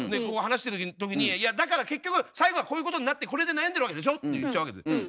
こう話してる時に「いやだから結局最後はこういうことになってこれで悩んでるわけでしょ？」って言っちゃうわけです。